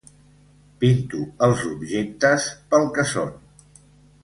Pinto els objectes pel que són.